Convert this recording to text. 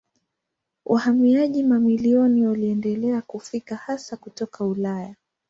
Wahamiaji mamilioni waliendelea kufika hasa kutoka Ulaya.